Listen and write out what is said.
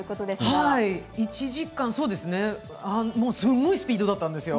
すごいスピードだったんですよ